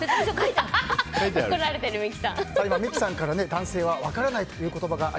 三木さんから男性は分からないという話。